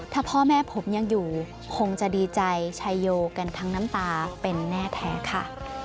ถ้าพ่อแม่ผมยังอยู่คงจะดีใจชัยโยกันทั้งน้ำตาเป็นแน่แท้ค่ะ